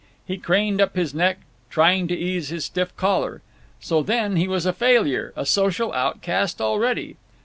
He craned up his neck, trying to ease his stiff collar. So, then, he was a failure, a social outcast already.